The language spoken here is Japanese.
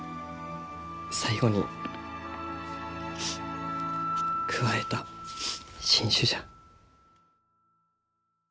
最後に加えた新種じゃ。